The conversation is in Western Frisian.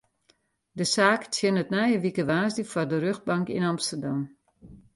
De saak tsjinnet nije wike woansdei foar de rjochtbank yn Amsterdam.